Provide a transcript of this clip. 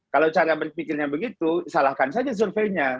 kalau cara berpikirnya begitu salahkan saja surveinya